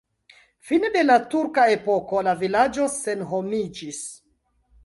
Fine de la turka epoko la vilaĝo senhomiĝis.